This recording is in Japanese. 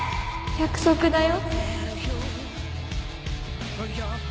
約束だよ